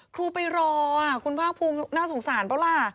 ครูไปรอคุณภาคภูมิน่าสงสารเปล่าล่ะ